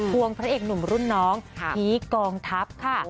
วงพระเอกหนุ่มรุ่นน้องผีกองทัพค่ะ